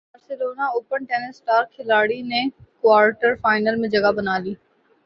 Barcelona open tennis star کھلاڑی نے quarter final میں جگہ بنا لی